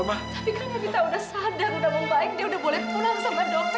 udah membaik dia udah boleh pulang sama dokter